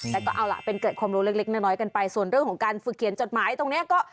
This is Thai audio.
แต่ก็เอาล่ะเป็นเกิดความรู้เล็กน้อยกันไปส่วนเรื่องของการฝึกเขียนจดหมายตรงนี้ก็